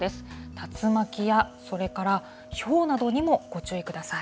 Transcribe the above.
竜巻やそれからひょうなどにもご注意ください。